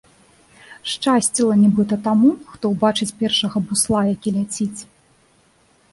Шчасціла нібыта таму, хто ўбачыць першага бусла, які ляціць.